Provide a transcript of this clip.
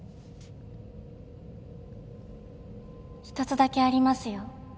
１つだけありますよ